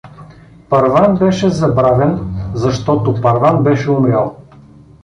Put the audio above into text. Първан беше забравен, защото Първан беше умрял.